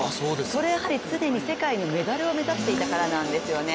それはやはり、常に世界でメダルを目指してたからなんですね。